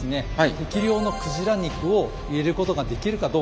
適量の鯨肉を入れることができるかどうか。